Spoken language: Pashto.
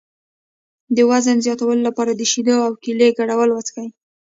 د وزن زیاتولو لپاره د شیدو او کیلې ګډول وڅښئ